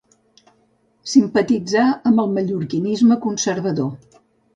Simpatitzà amb el mallorquinisme conservador.